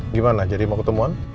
gimana jadi mau ketemuan